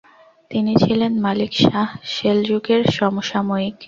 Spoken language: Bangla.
তিনি ছিলেন মালিক শাহ সেলজুকের সমসাময়িক।